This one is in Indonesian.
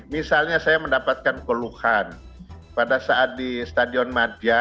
misalnya saya mendapatkan keluhan pada saat di stadion madya